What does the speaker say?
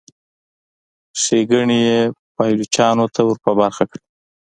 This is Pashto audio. ښېګڼې یې پایلوچانو ته ور په برخه کړي.